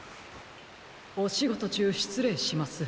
おしごとちゅうしつれいします。